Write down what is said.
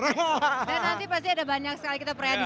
dan nanti pasti ada banyak sekali